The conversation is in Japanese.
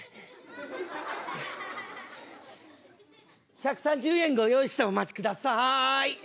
１３０円ご用意してお待ちください！